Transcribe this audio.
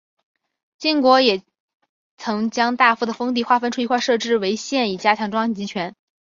晋国也曾将大夫的封地划分出一块设置为县以加强中央集权。